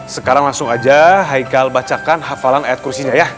sekarang langsung aja haikal bacakan hafalan ayat kursinya ya